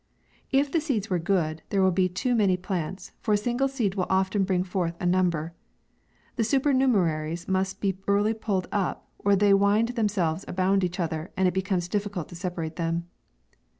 If the seeds were good, there will be too many plants ; for a single seed will often bring forth a number. The supernumeraries must be early pulled up, or they wind themselves around each other, and it becomes difficult to separate them.